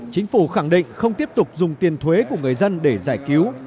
chính phủ khẳng định không tiếp tục dùng tiền thuế của người dân để giải cứu